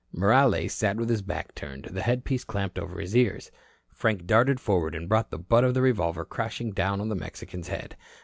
Morales sat with his back turned, the headpiece clamped over his ears. Frank darted forward and brought the butt of the revolver crashing down on the Mexican's head.